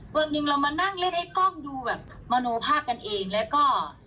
วันหนึ่งเรามานั่งเล่นไอ้กล้องดูแบบมโนภาพกันเองแล้วก็